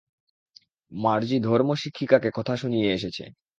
মার্জি ধর্ম শিক্ষিকাকে কথা শুনিয়ে এসেছে।